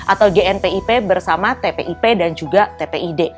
atau gnpip bersama tpip dan juga tpid